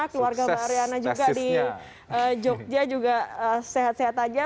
keluarga mbak ariana juga di jogja juga sehat sehat aja